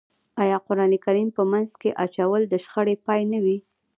آیا قرآن کریم په منځ کې اچول د شخړې پای نه وي؟